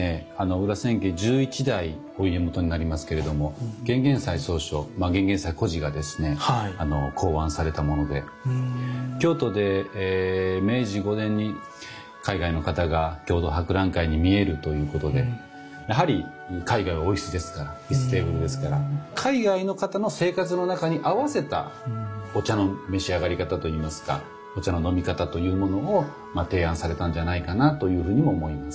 裏千家十一代お家元になりますけれども玄々斎宗匠玄々斎居士がですね考案されたもので京都で明治５年に海外の方が京都博覧会に見えるということでやはり海外はお椅子ですから椅子テーブルですから海外の方の生活の中に合わせたお茶の召し上がり方といいますかお茶の飲み方というものを提案されたんじゃないかなというふうにも思います。